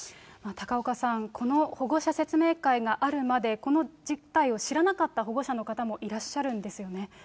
高岡さん、この保護者説明会があるまで、この実態を知らなかった保護者の方もいらっしゃるんですよね。